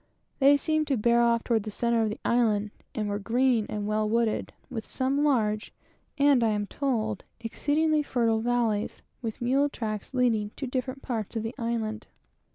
They seemed to bear off towards the centre of the island, and were green and well wooded, with some large, and, I am told, exceedingly fertile valleys, with mule tracks leading to different parts of the island.